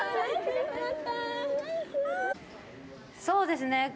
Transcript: そうですね。